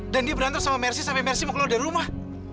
dan dia berantar sama mercy sampai mercy mau keluar dari rumah